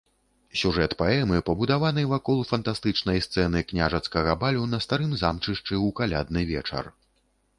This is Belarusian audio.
Сюжэт паэмы пабудаваны вакол фантастычнай сцэны княжацкага балю на старым замчышчы ў калядны вечар.